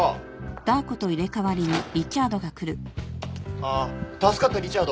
あっ助かったリチャード